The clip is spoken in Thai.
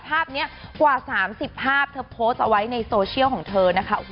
ภาพนี้กว่า๓๐ภาพเธอโพสต์เอาไว้ในโซเชียลของเธอนะคะ